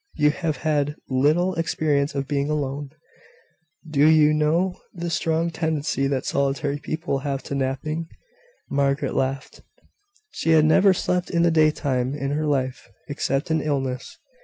You have had little experience of being alone: do you know the strong tendency that solitary people have to napping?" Margaret laughed. She had never slept in the daytime in her life, except in illness.